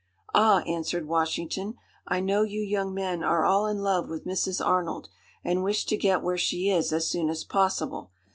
"Ah," answered Washington, "I know you young men are all in love with Mrs. Arnold, and wish to get where she is as soon as possible.